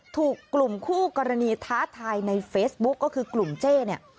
ถูกกลุ่มคู่กรณีท้าทายในเฟซบุ๊คก็คือกลุ่มเจ้เนี่ย